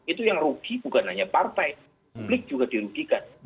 itu yang rugi bukan hanya partai publik juga dirugikan